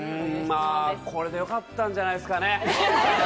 これでよかったんじゃないですかね。